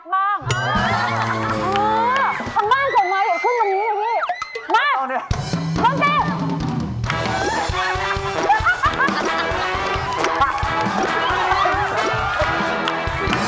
หมายว่าอยากเห็นคุณแมททิวงัดบ้าง